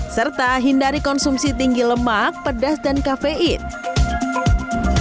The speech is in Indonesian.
serta hindari konsumsi tinggi lemak pedas dan kafein